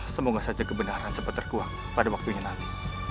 semoga saja kebenaran cepat terkuang pada waktunya nanti